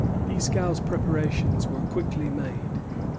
Dieskau's preparations were quickly made.